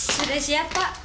sudah siap pak